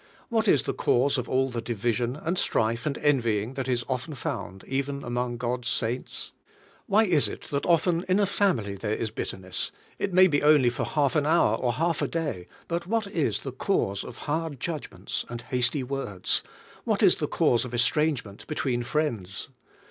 What is the cause of all the division, and strife, and envying, that is often found even among God's saints? Why is it that often in a family there is bitterness — it may be only for half an hour, or half a day; but what is the cause of hard judgments and hasty words? W^hat is the cause of estrangement between friends?